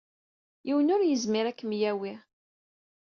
Yiwen ur yezmir ad kem-yawey.